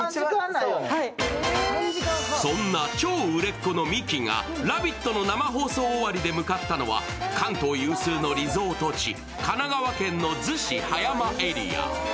そんな超売れっ子のミキが「ラヴィット！」の生放送終わりで向かったのは関東有数のリゾート地、神奈川県の逗子・葉山エリア。